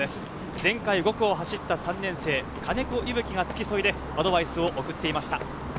前回５区を走った３年生・金子息吹が付き添いでアドバイスを送っていました。